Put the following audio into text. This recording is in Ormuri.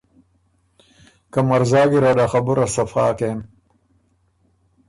که مرزا ګیرډ ا خبُره صفا کېم۔